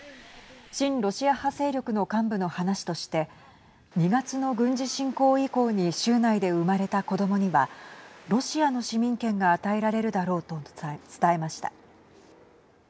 親ロシア派勢力の幹部の話として２月の軍事侵攻以降に州内で生まれた子どもにはロシアの市民権が与えられるだろうと伝えました。